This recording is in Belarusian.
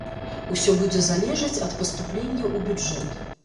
Усё будзе залежаць ад паступленняў у бюджэт.